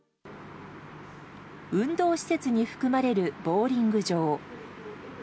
運動施設に含まれるボウリング場。